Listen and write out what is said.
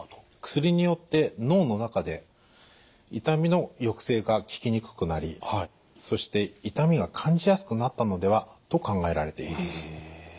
薬によって脳の中で痛みの抑制が効きにくくなりそして痛みが感じやすくなったのではと考えられています。